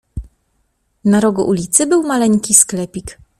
"Na rogu ulicy był maleńki sklepik."